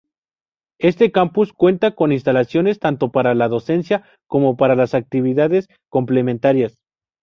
Este campus cuenta con instalaciones tanto para la docencia como para las actividades complementarias.